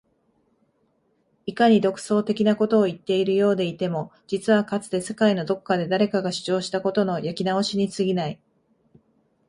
いかに独創的なことを言っているようでいても実はかつて世界のどこかで誰かが主張したことの焼き直しに過ぎない